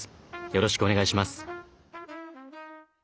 よろしくお願いします。